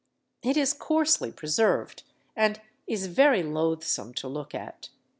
It is coarsely preserved, and is very loathsome to look at.